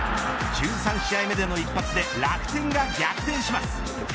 １３試合目の一発で楽天が逆転します。